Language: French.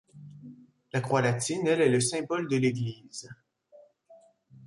La croix latine elle est le symbole de l'Église.